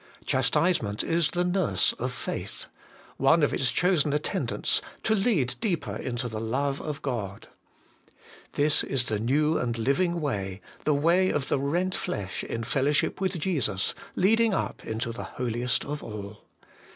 Chastisement is the nurse of faith ; one of its chosen attendants, to lead deeper into the Love of God. This is the new and living way, the way of the rent flesh in fellow 260 HOLY IN CHRIST. ship with Jesus leading up into the Holiest of all.